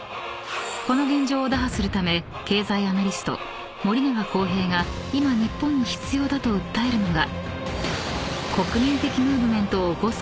［この現状を打破するため経済アナリスト森永康平が今日本に必要だと訴えるのが］